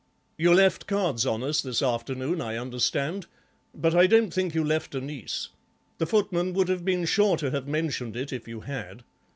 "You left cards on us this afternoon, I understand, but I don't think you left a niece. The footman would have been sure to have mentioned it if you had.